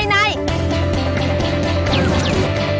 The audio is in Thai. ที่น่าสนใจใน